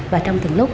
và trong từng lúc